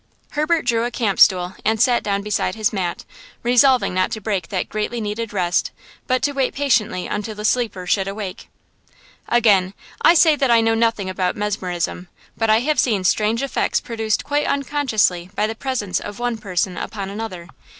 Herbert drew a camp stool and sat down beside his mat, resolving not to break that greatly needed rest, but to wait patiently until the sleeper should awake. Again, I say that I know nothing about mesmerism, but I have seen strange effects produced quite unconsciously by the presence of one person upon another.